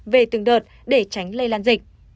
về từng đợt để tránh lây lan dịch